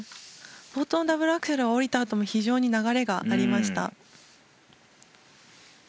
冒頭のダブルアクセルは降りたあとも非常に流れがありました。